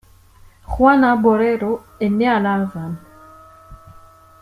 Juana Borrero est née à La Havane.